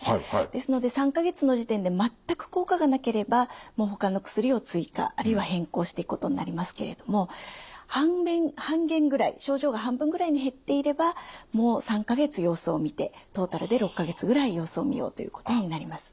ですので３か月の時点で全く効果がなければもうほかの薬を追加あるいは変更していくことになりますけれども半減ぐらい症状が半分ぐらいに減っていればもう３か月様子を見てトータルで６か月ぐらい様子を見ようということになります。